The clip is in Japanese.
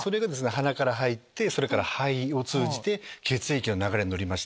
鼻から入って肺を通じて血液の流れに乗ります。